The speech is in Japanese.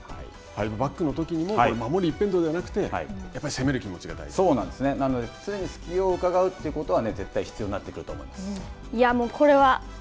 ファイブバックのときにも守り一辺倒ではなくて、やっぱり攻めなので、常にすきをうかがうということは、絶対必要になってくると思います。